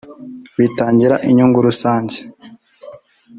bitangira inyungu rusange